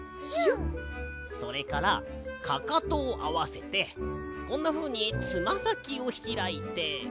それからかかとをあわせてこんなふうにつまさきをひらいて。